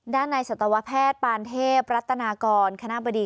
ด้านในสัตวแพทย์ปานเทพรัตนากรคณะบดี